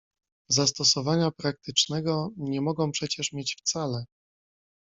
"Zastosowania praktycznego nie mogą przecież mieć wcale."